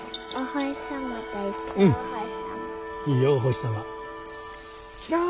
はい。